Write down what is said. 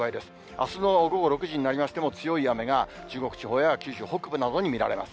あすの午後６時になりましても、強い雨が中国地方や九州北部などに見られます。